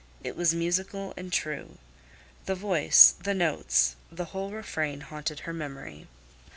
It was musical and true. The voice, the notes, the whole refrain haunted her memory.